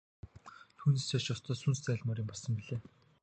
Түүнээс цааш ёстой сүнс зайлмаар юм болсон билээ.